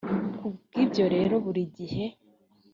ku bw ibyo rero buri gihe